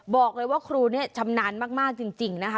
บอกเลยว่าครูเนี่ยชำนาญมากจริงนะคะ